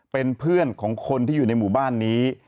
เป็นเพื่อนของคนที่อยู่ในหมู่บ้านนี้